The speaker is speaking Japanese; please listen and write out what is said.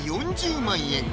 ４０万円